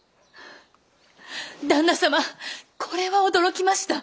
旦那様これは驚きました。